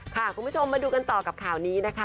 คุณผู้ชมมาดูกันต่อกับข่าวนี้นะคะ